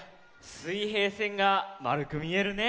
すいへいせんがまるくみえるね。